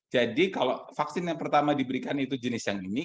jadi kalau vaksin yang pertama diberikan itu jenis yang ini